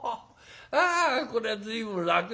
あこれは随分楽だ」。